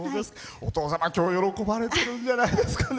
お父様、きょう喜ばれてるんじゃないですかね。